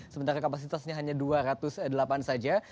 sementara kapasitasnya hanya dua ratus delapan saja